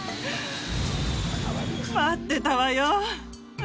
待ってたわよ。